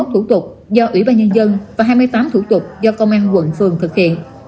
một mươi thủ tục do ủy ban nhân dân và hai mươi tám thủ tục do công an quận phường thực hiện